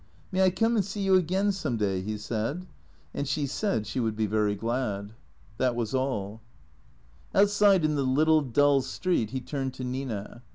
"May I come and see you again some day?" he said. And she said she would be very glad. 208 T H E C E E A T 0 R S That was all. Outside in the little dull street he turned to Nina.